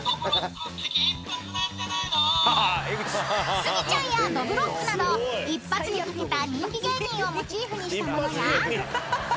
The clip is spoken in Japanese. ［スギちゃんやどぶろっくなど一発にかけた人気芸人をモチーフにしたものや］